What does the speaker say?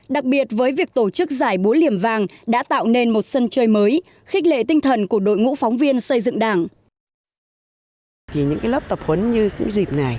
đặc biệt với việc tổ chức giải búa liềm vàng đã tạo nên một sân chơi mới khích lệ tinh thần của đội ngũ phóng viên xây dựng đảng